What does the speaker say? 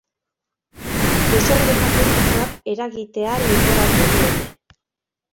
Desordena publikoak eragitea leporatu diote.